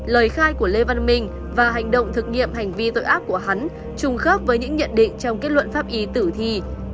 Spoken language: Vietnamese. lời khai của lê văn minh và hành động thực nghiệm hành vi tội ác của hắn trùng khớp với những nhận định trong kết luận pháp y tử thi